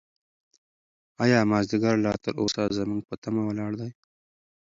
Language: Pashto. ایا مازیګر لا تر اوسه زموږ په تمه ولاړ دی؟